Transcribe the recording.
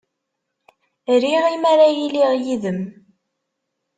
Riɣ mi ara iliɣ yid-m.